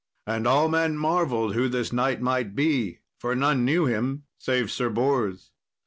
And all men marvelled who this knight might be, for none knew him save Sir Bors.